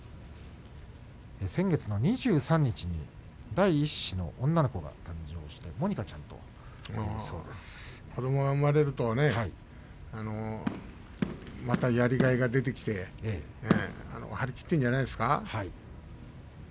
先月２３日に第一子の女の子が誕生して子どもが生まれるとまたやりがいが出てきて張り切っているんじゃないですか。